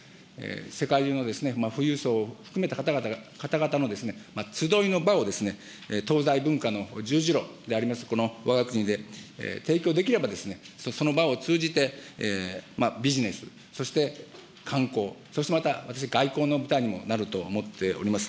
世界中の富裕層を含めた方々の集いの場を東西文化の十字路であります、このわが国で提供できれば、その場を通じて、ビジネス、そして観光、そしてまた私は外交の舞台にもなると思っております。